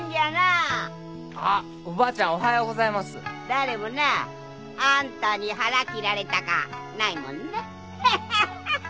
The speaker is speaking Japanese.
誰もなあんたに腹切られたかぁないもんね。